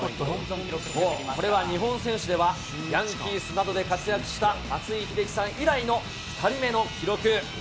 これは日本選手ではヤンキースなどで活躍した松井秀喜さん以来の２人目の記録。